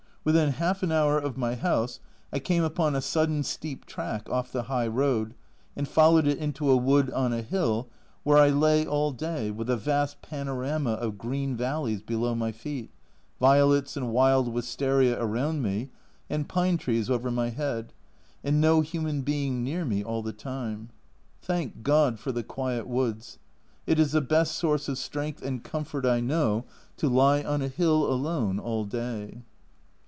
Within half an hour of my house I came upon a sudden steep track off the high road, and followed it into a wood on a hill, where I lay all day, with a vast panorama of green valleys below my feet, violets and wild wistaria around me, and pine trees over my head, and no human being near me all the time. Thank God for the quiet woods. It is the best source of strength and comfort I know, to lie on a hill alone all day.